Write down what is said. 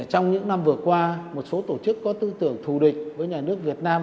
trong những năm vừa qua một số tổ chức có tư tưởng thù địch với nhà nước việt nam